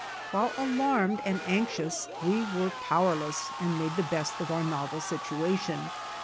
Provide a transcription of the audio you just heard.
While alarmed and anxious we were powerless and made the best of our novel situation.